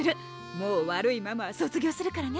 もう悪いママは卒業するからね。